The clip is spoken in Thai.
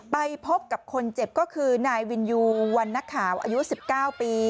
ไปพบกับคนเจ็บก็คือนายวินยูวันนักข่าวอายุ๑๙ปี